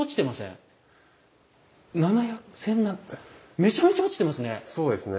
７００めちゃめちゃ落ちてますね！